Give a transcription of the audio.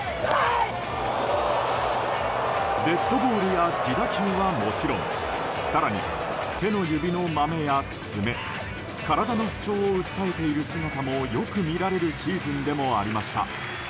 デッドボールや自打球はもちろん更に、手の指のまめや爪体の不調を訴えている姿もよく見られるシーズンでもありました。